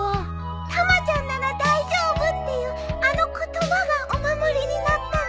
たまちゃんなら大丈夫っていうあの言葉がお守りになったの。